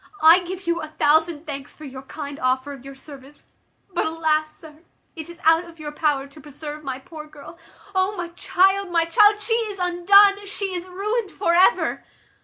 I give you a thousand thanks for your kind offer of your service; but, alas! sir, it is out of your power to preserve my poor girl. O my child! my child! she is undone, she is ruined for ever!"